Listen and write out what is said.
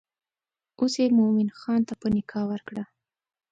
اوس یې مومن خان ته په نکاح ورکړه.